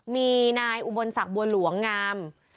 มีนายอุบลศักดิ์บัวหลวงงาม